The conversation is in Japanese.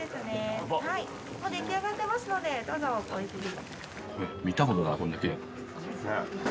もう出来上がってますのでどうぞねっうん！